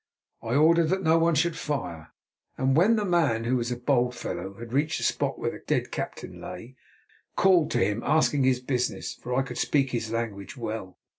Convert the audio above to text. I ordered that no one should fire, and when the man, who was a bold fellow, had reached the spot where the dead captain lay, called to him, asking his business, for I could speak his language well.